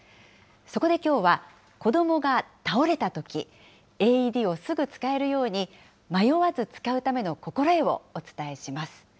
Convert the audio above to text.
そこできょうは、子どもが倒れたとき、ＡＥＤをすぐ使えるように、迷わず使うための心得をお伝えします。